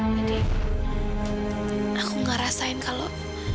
jadi aku gak rasain kalau